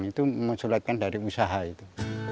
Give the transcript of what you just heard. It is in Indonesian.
itu menculikan dari usaha itu